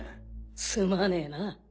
すまねぇな。